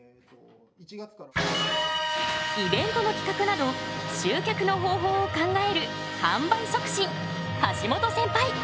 イベントの企画など集客の方法を考える販売促進。